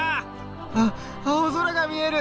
あっ青空が見える！